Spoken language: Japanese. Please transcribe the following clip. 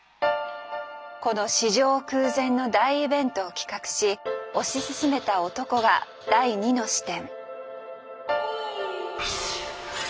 この史上空前の大イベントを企画し推し進めた男が第２の視点。